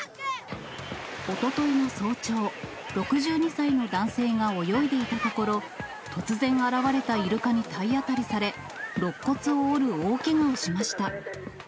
おとといの早朝、６２歳の男性が泳いでいたところ、突然現れたイルカに体当たりされ、ろっ骨を折る大けがをしました。